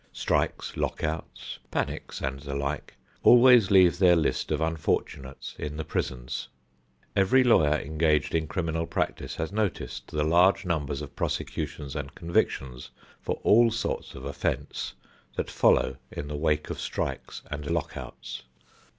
Strikes, lockouts, panics and the like always leave their list of unfortunates in the prisons. Every lawyer engaged in criminal practice has noticed the large numbers of prosecutions and convictions for all sorts of offences that follow in the wake of strikes and lockouts.